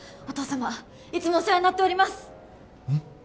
お父様いつもお世話になっておりますうん？